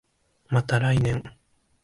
また来年